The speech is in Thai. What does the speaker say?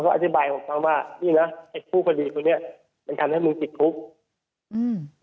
ก็อธิบายของเขาว่านี่นะไอ้คู่คดีคนนี้มันทำให้มึงติดคุกอืม